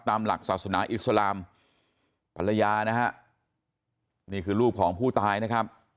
ตามหลักศาสนาอิสลามภรรยานะฮะนี่คือลูกของผู้ตายนะครับ